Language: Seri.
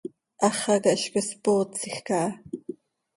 Háxaca hizcoi spootsij caha.